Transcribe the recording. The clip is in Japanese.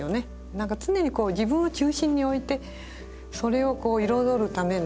何か常に自分を中心に置いてそれを彩るための